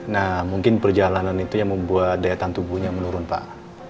nah mungkin perjalanan itu yang membuat daya tahan tubuhnya menurun pak